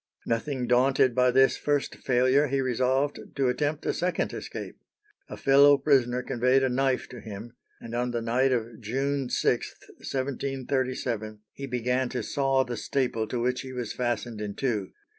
Nothing daunted by this first failure, he resolved to attempt a second escape. A fellow prisoner conveyed a knife to him, and on the night of June 6, 1737, he began to saw the staple to which he was fastened in two.